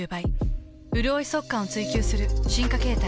うるおい速乾を追求する進化形態。